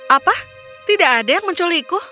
apa tidak ada yang menculikku